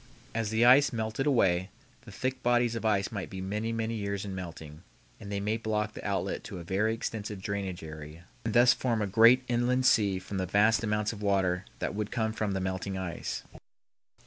As the ice melted away, the thick bodies of ice might be many, many years in melting, and they might block the outlet to a very extensive drainage area and thus form a great inland sea from the vast amounts of water that would come from the melting ice.